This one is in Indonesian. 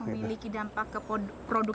memiliki dampak ke produk yang akan dibuat